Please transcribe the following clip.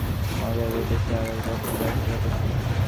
গাবতলীর মোটামুটি যানজট ঠেলে মাজার রোড এসে আরেক দফা যাত্রীর অপেক্ষা।